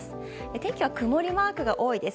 天気は曇りマークが多いです。